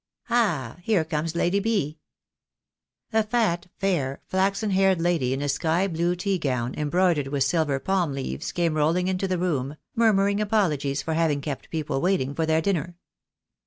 Ah, here comes Lady B." A fat, fair, flaxen haired lady in a sky blue tea gown embroidered with silver palm leaves came rolling into the room, murmuring apologies for having kept people waiting for their dinner.